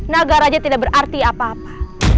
naga raja tidak berarti apa apa